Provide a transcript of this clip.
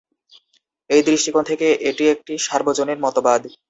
এই দৃষ্টিকোণ থেকে এটি একটি সার্বজনীন মতবাদ।